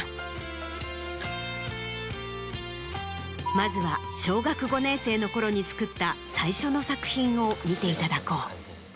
まずは小学５年生の頃に作った最初の作品を見ていただこう。